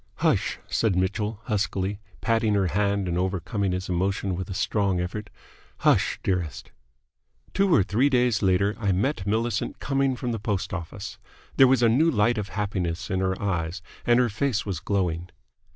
"Hush!" said Mitchell, huskily, patting her hand and overcoming his emotion with a strong effort. "Hush, dearest!" Two or three days later I met Millicent coming from the post office. There was a new light of happiness in her eyes, and her face was glowing.